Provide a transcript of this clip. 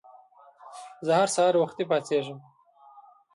زه هر سهار وختي پاڅېږم.